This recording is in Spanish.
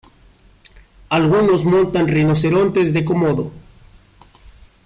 Algunos montan rinocerontes de komodo.